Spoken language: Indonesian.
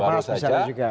performa misalnya juga